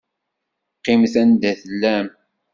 Qqimet anda tellam.